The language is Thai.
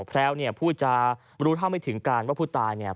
แพลวเนี่ยพูดจะรู้เท่าไม่ถึงการว่าผู้ตายเนี่ย